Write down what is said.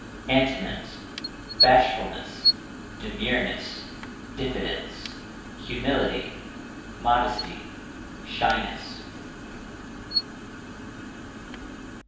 Antonyms: bashfulness, demureness, diffidence, humility, modesty, shyness.